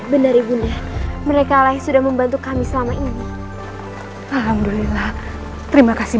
benar ibunya mereka lah yang sudah membantu kami selama ini alhamdulillah terima kasih